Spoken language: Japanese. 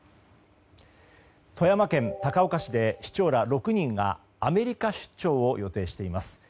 富山県高岡市で市長ら６人がアメリカ出張を予定しています。